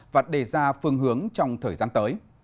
và đề ra phương hướng trong thời gian tới